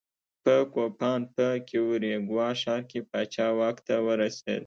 په کوپان په کیوریګوا ښار کې پاچا واک ته ورسېد.